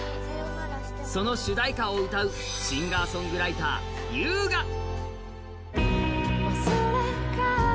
その主題歌を歌うシンガーソングライター、優河。